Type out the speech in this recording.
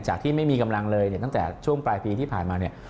ที่ไม่มีกำลังเลยเนี่ยตั้งแต่ช่วงปลายปีที่ผ่านมาเนี่ย